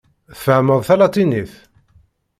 Tfehhmeḍ talatinit?